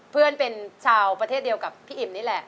เพื่อนเป็นชาวประเทศเดียวกับพี่อิ่มนี่แหละ